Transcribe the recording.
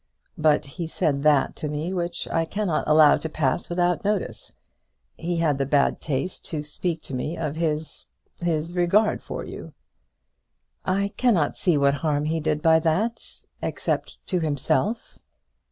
But he said that to me which I cannot allow to pass without notice. He had the bad taste to speak to me of his his regard for you." "I cannot see what harm he did by that; except to himself."